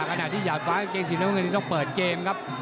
ในขณะที่อยากฟ้าเกงสีน้องเงินต้องเปิดเกมครับ